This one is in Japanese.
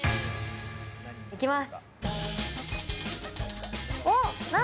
いきます！